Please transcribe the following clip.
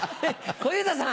小遊三さん。